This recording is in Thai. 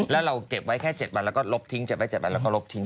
แล้วเราเก็บไว้แค่๗วันแล้วก็ลบทิ้ง๗วันแล้วก็ลบทิ้ง